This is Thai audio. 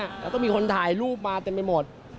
แล้วก็มีคนถ่ายรูปมาเต็มไปหมด